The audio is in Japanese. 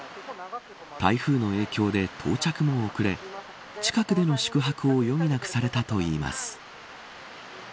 台風の影響で到着も遅れ近くでの宿泊を余儀なくされたといいます。